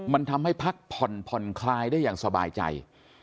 มันทำให้พักผ่อนผ่อนคลายได้อย่างสบายใจ